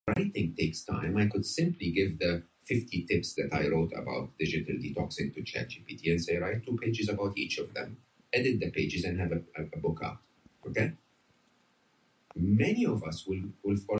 Eyadema participated in the French Indochina War and the Algerian War.